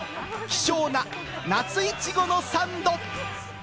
希少な夏いちごのサンド！